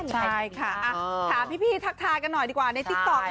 ใช่ค่ะถามพี่ทักทายกันหน่อยดีกว่าในติ๊กต๊อก